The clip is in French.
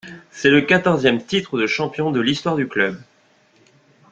C'est le quatorzième titre de champion de l'histoire du club.